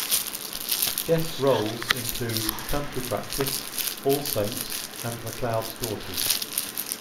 Guest roles include A Country Practice, All Saints and McLeod's Daughters.